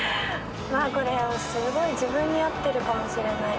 これすごい自分に合ってるかもしれない。